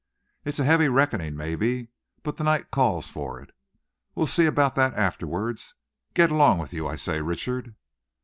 It's a heavy reckoning, maybe, but the night calls for it. We'll see about that afterwards. Get along with you, I say, Richard."